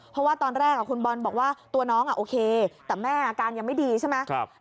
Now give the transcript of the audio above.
เพราะว่าตอนแรกคุณบอลบอกว่าตัวน้องโอเคแต่แม่อาการยังไม่ดีใช่ไหม